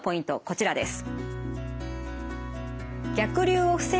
こちらです。